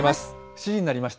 ７時になりました。